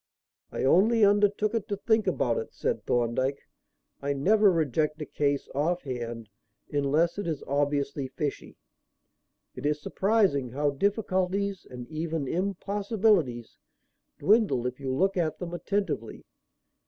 "I only undertook to think about it," said Thorndyke. "I never reject a case off hand unless it is obviously fishy. It is surprising how difficulties, and even impossibilities, dwindle if you look at them attentively.